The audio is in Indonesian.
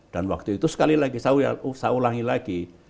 dan waktu itu sekali lagi saya ulangi lagi